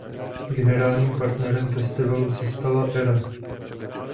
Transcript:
Generálním partnerem festivalu se stala Era.